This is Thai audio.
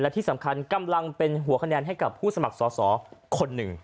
ที่สำคัญกำลังเป็นหัวคะแนนให้กับผู้สมัครสอสอคนหนึ่ง